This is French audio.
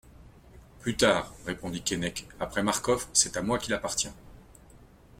Plus tard, répondit Keinec, Après Marcof, c'est à moi qu'il appartient.